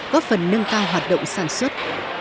góp phần nâng cao hoạt động sản xuất